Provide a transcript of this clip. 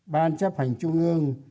ban chấp hành trung ương